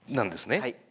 はい。